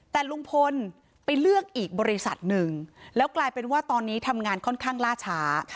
แต่ลุงพลไปเลือกอีกบริษัทหนึ่งแล้วกลายเป็นว่าตอนนี้ทำงานค่อนข้างล่าช้า